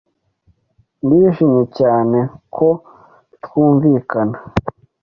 Ndishimye cyane ko twunvikana.